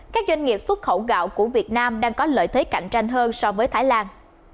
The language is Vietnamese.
các doanh nghiệp xuất khẩu gạo của việt nam đang có lợi thế cạnh tranh hơn so với thái lan